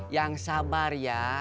yang sabar ya